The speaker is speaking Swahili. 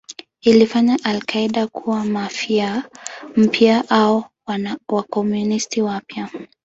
Ilifanya al-Qaeda kuwa Mafia mpya au Wakomunisti wapya.